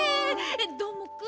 どーもくん。